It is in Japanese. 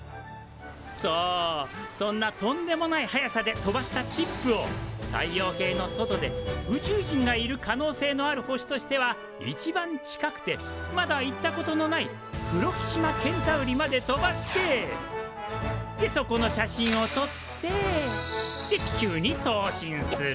そうそんなとんでもない速さで飛ばしたチップを太陽系の外で宇宙人がいる可能性のある星としては一番近くてまだ行ったことのないプロキシマ・ケンタウリまで飛ばしてそこの写真をとって地球に送信する。